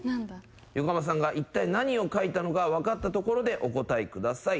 横浜さんがいったい何を描いたのか分かったところでお答えください。